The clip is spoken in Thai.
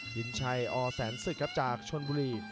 สินชัยอแสนศึกครับจากชนบุรี